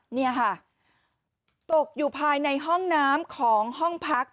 นี่ค่ะตกอยู่ภายในห้องน้ำของห้องพัก